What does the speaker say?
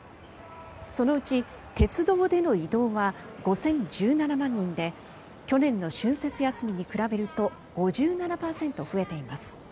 そのうち鉄道での移動は５０１７万人で去年の春節休みに比べると５７％増えています。